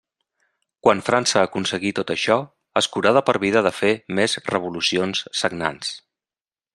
Quan França aconseguí tot això, es curà de per vida de fer més revolucions sagnants.